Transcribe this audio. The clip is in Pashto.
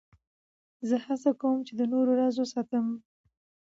زه هڅه کوم، چي د نورو راز وساتم.